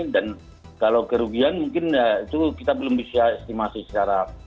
dan kalau kerugian mungkin ya itu kita belum bisa estimasi secara